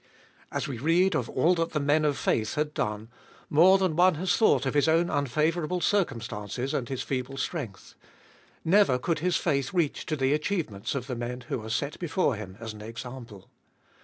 As we read of all that the men of faith had done, more than one has thought of his own unfavourable circumstances and his feeble strength ; never could his faith reach to the achievements of the men who are set before him as an example.